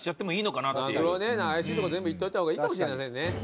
怪しいとこ全部いっておいた方がいいかもしれませんね。